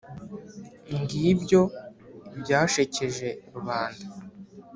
ngibyo ibyashekeje rubanda